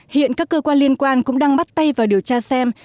hiện các cơ quan liên quan cũng đang bắt tay vào điều tra xem